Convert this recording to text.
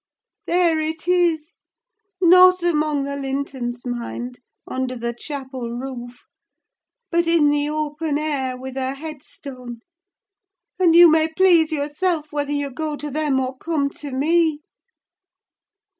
There it is: not among the Lintons, mind, under the chapel roof, but in the open air, with a head stone; and you may please yourself whether you go to them or come to me!"